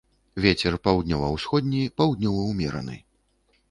Вецер паўднёва-ўсходні, паўднёвы ўмераны.